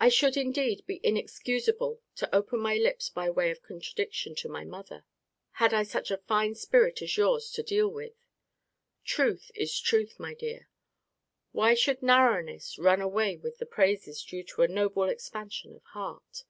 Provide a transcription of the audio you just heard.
I should indeed be inexcusable to open my lips by way of contradiction to my mother, had I such a fine spirit as yours to deal with. Truth is truth, my dear! Why should narrowness run away with the praises due to a noble expansion of heart?